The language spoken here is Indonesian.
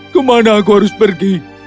kemana aku harus pergi